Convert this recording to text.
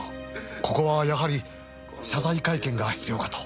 ここはやはり謝罪会見が必要かと。